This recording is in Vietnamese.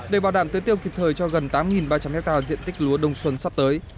để bảo đảm tưới tiêu kịp thời cho gần tám ba trăm linh hectare diện tích lúa đông xuân sắp tới